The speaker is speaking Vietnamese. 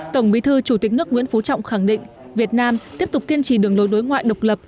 tổng bí thư chủ tịch nước nguyễn phú trọng khẳng định việt nam tiếp tục kiên trì đường lối đối ngoại độc lập